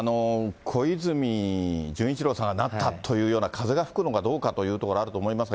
小泉純一郎さんがなったというような風が吹くのかどうかというのがあると思いますが。